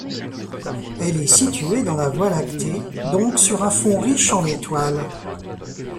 Elle est située dans la Voie lactée, donc sur un fond riche en étoiles.